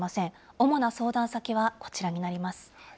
主な相談先はこちらになります。